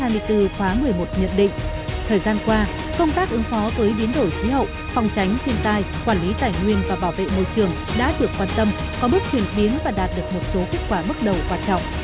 biến đổi khí hậu phòng tránh thiên tai quản lý tài nguyên và bảo vệ môi trường đã được quan tâm có bước truyền biến và đạt được một số kết quả bước đầu quan trọng